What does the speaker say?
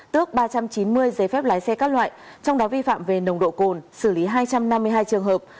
tước ba trăm chín mươi giấy phép lái xe các loại trong đó vi phạm về nồng độ cồn xử lý hai trăm năm mươi hai trường hợp